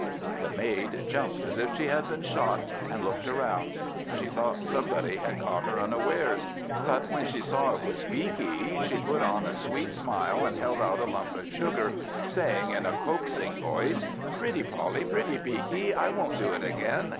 The maid jumped as if she had been shot, and looked round. She thought somebody had caught her unawares; but when she saw it was Beaky she put on a sweet smile, and held out a lump of sugar, saying in a coaxing voice, "Pretty Poll! pretty Beaky! I won't do it again!